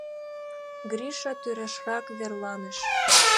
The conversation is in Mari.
Гриша тӱрешрак верланыш.